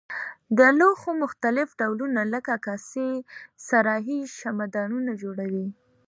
د لوښو مختلف ډولونه لکه کاسې صراحي شمعه دانونه جوړوي.